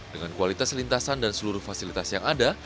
dengan kualitas lintasan dan seluruh fasilitas yang ada